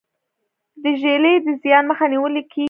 د ږلۍ د زیان مخه نیول کیږي.